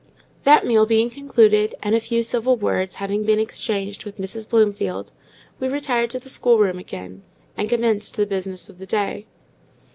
That meal being concluded, and a few civil words having been exchanged with Mrs. Bloomfield, we repaired to the schoolroom again, and commenced the business of the day.